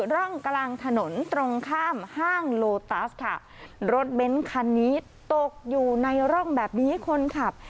ร่องกลางถนนตรงข้ามห้างโลตัสค่ะรถเบ้นคันนี้ตกอยู่ในร่องแบบนี้คนขับ